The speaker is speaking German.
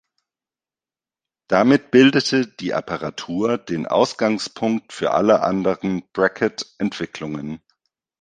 Damit bildete die Apparatur den Ausgangspunkt für alle anderen Bracket-Entwicklungen.